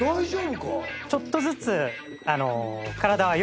ちょっとずつ。